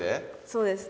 そうです。